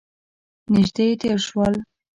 نژدې تیر شول